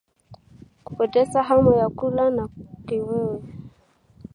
Kupoteza hamu ya kula na kiwewe